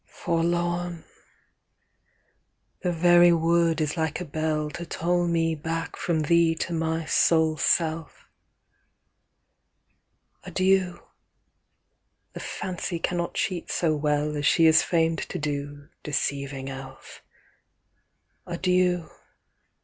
8.Forlorn! the very word is like a bellTo toil me back from thee to my sole self! Adieu! the fancy cannot cheat so wellAs she is fam'd to do, deceiving elf. Adieu!